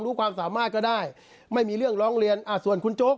ความสามารถก็ได้ไม่มีเรื่องร้องเรียนอ่าส่วนคุณโจ๊ก